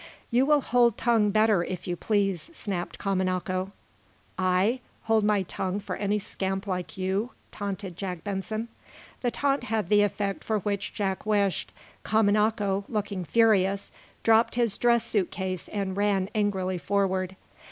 "You will hold tongue better, if you please," snapped Kamanako. "I? Hold my tongue for any scamp like you?" taunted Jack Benson. The taunt had the effect for which Jack wished. Kamanako, looking furious, dropped his dress suit case and ran angrily forward.